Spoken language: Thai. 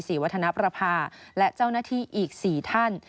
วัฒนประภาและเจ้าหน้าที่อีก๔ท่าน